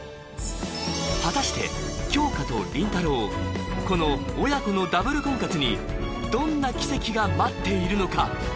果たして杏花と林太郎この親子のダブル婚活にどんな奇跡が待っているのか？